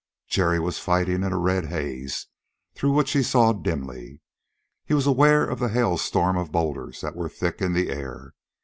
Jerry was fighting in a red haze through which he saw dimly. He was aware of the hailstorm of boulders that were thick in the air.